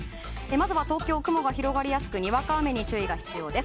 まずは東京、雲が広がりやすくにわか雨に注意が必要です。